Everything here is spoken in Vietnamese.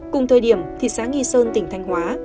cùng thời điểm thị xã nghi sơn tỉnh thanh hóa